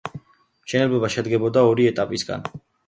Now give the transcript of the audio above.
მშენებლობა შედგებოდა ორი ეტაპისგან.